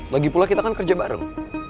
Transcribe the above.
lagipula kita kan kerja bareng